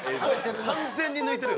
完全に抜いてる。